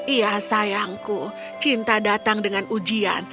iya sayangku cinta datang dengan ujian